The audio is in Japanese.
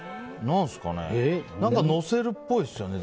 何かのせるっぽいですよね